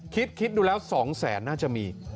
คิดดูแล้ว๒แสนน่าจะมี